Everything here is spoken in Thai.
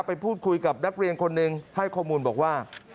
ไปพูดคุยกับนักเรียนคนหนึ่งให้ข้อมูลบอกว่า